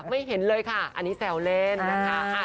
ไม่เห็นเลยค่ะอันนี้แซวเล่นนะคะ